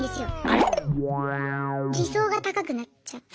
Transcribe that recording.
理想が高くなっちゃって。